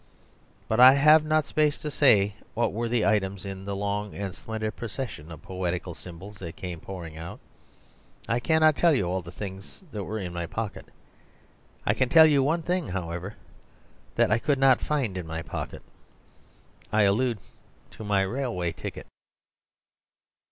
But I have not space to say what were the items in the long and splendid procession of poetical symbols that came pouring out. I cannot tell you all the things that were in my pocket. I can tell you one thing, however, that I could not find in my pocket. I allude to my railway ticket.